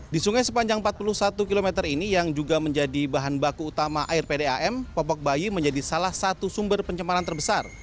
di sungai sepanjang empat puluh satu km ini yang juga menjadi bahan baku utama air pdam popok bayi menjadi salah satu sumber pencemaran terbesar